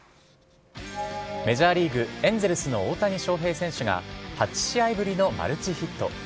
メジャーリーグ・エンゼルスの大谷翔平選手が、８試合ぶりのマルチヒット。